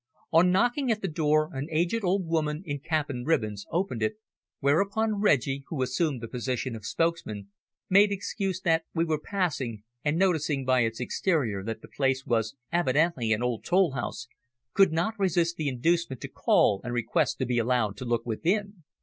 On knocking at the door an aged old woman in cap and ribbons, opened it, whereupon Reggie, who assumed the position of spokesman, made excuse that we were passing, and, noticing by its exterior that the place was evidently an old toll house, could not resist the inducement to call and request to be allowed to look within.